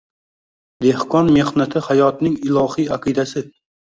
Dehqon mehnati hayotning ilohiy aqidasi.